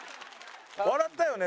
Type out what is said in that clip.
笑ったよね？